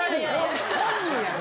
本人やねん！